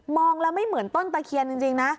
แล้วไม่เหมือนต้นตะเคียนจริงนะ